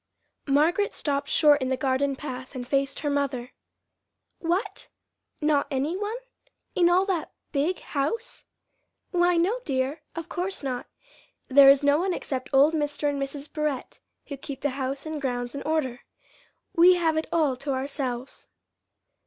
Margaret stopped short in the garden path and faced her mother. "What, not any one? in all that big house?" "Why, no, dear, of course not. There is no one except old Mr. and Mrs. Barrett who keep the house and grounds in order. We have it all to ourselves."